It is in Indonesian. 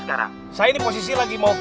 w ept industri sosial senan names